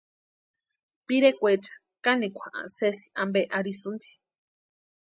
Pirekwaecha kanikwa sési ampe arhisïnti.